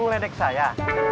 itu bedek saya